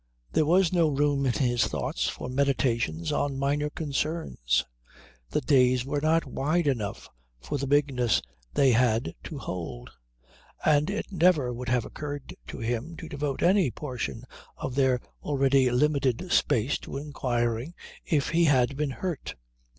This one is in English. There was no room in his thoughts for meditations on minor concerns. The days were not wide enough for the bigness they had to hold, and it never would have occurred to him to devote any portion of their already limited space to inquiring if he had been hurt.